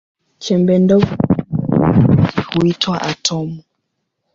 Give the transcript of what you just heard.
Chembe ndogo ya kila elementi huitwa atomu.